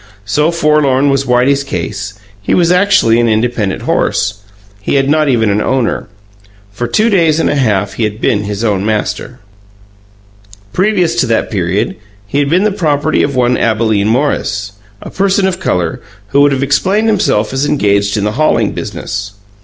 So forlorn was Whitey's case, he was actually an independent horse; he had not even an owner. For two days and a half he had been his own master. Previous to that period he had been the property of one Abalene Morris, a person of colour, who would have explained himself as engaged in the hauling business.